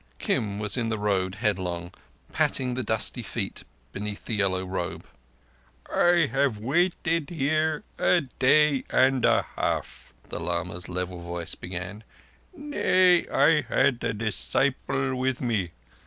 Kim was in the road headlong, patting the dusty feet beneath the dirty yellow robe. "I have waited here a day and a half," the lama's level voice began. "Nay, I had a disciple with me.